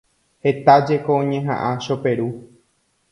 Heta jeko oñeha'ã Choperu.